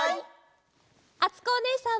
あつこおねえさんも！